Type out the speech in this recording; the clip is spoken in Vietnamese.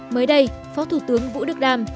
mới đây phó thủ tướng vũ đức đam